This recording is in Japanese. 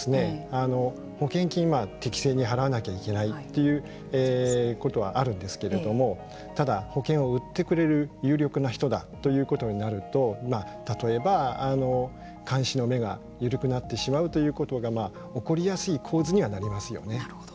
保険金、適正に払わなきゃいけないということはあるんですけれどもただ、保険を売ってくれる有力な人だということになると例えば、監視の目が緩くなってしまうということが起こりやすい構図にはなるほど。